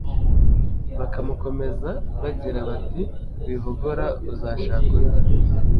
bakamukomeza bagira bati Wihogora uzashaka undi